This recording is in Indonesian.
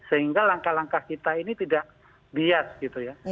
sehingga langkah langkah kita ini tidak bias gitu ya